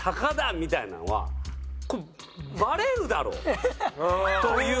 みたいなのはこれバレるだろ？という。